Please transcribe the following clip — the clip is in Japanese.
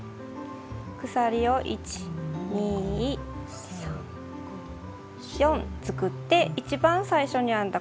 鎖を１２３４作って一番最初に編んだ